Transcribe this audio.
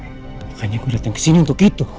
makanya gue datang kesini untuk itu